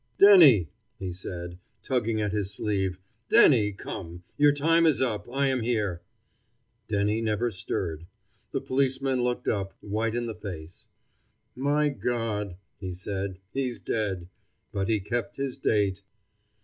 "Denny," he said, tugging at his sleeve. "Denny, come. Your time is up. I am here." Denny never stirred. The policeman looked up, white in the face. "My God!" he said, "he's dead. But he kept his date."